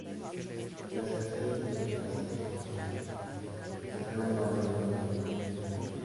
La escasez de las aguadas, les da un valor ecológico muy grande.